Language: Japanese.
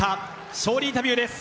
勝利インタビューです。